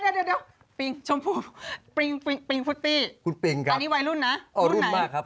คุณปริงพุธปี้อันนี้วัยรุ่นนะรุ่นไหนอ๋อรุ่นมากครับ